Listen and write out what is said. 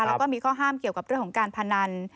แล้วก็มีข้อห้ามเกี่ยวกับเรื่องของการพนัน